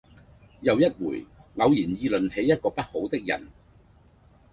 又一回偶然議論起一個不好的人，